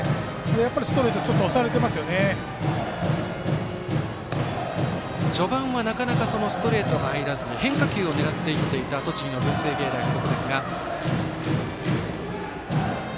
やっぱりストレート序盤は、なかなかそのストレートが入らずに変化球を狙っていっていた栃木の文星芸大付属ですが。